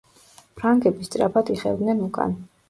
ფრანგები სწრაფად იხევდნენ უკან.